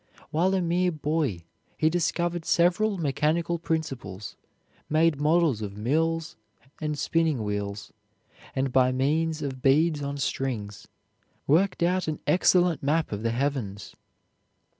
While a mere boy he discovered several mechanical principles, made models of mills and spinning wheels, and by means of beads on strings worked out an excellent map of the heavens.